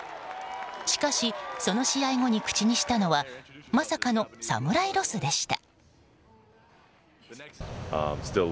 しかし、その試合後に口にしたのはまさかのサムライロスでした。